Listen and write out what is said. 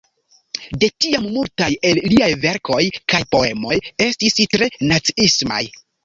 De tiam multaj el liaj verkoj kaj poemoj estis tre naciismaj.